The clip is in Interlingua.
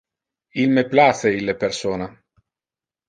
Il me place ille persona.